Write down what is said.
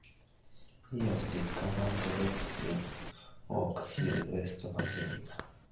He was discovered dead in Oak Hill, West Virginia.